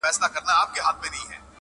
وخت که لېونی سو- توپانونو ته به څه وایو-